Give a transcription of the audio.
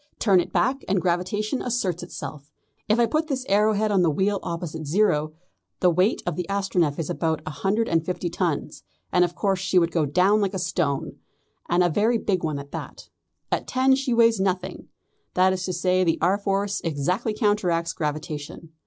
Turn it back, and gravitation asserts itself. If I put this arrow head on the wheel opposite zero the weight of the Astronef is about a hundred and fifty tons, and of course she would go down like a stone, and a very big one at that. At ten she weighs nothing; that is to say the R. Force exactly counteracts gravitation.